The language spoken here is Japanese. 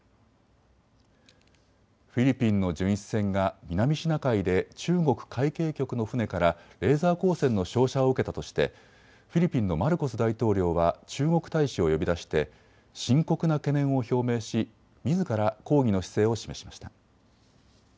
フィリピンの巡視船が南シナ海で中国海警局の船からレーザー光線の照射を受けたとしてフィリピンのマルコス大統領は中国大使を呼び出して深刻な懸念を表明しみずから抗議の姿勢を示しました。